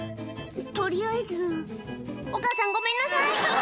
「取りあえず」「お母さんごめんなさい」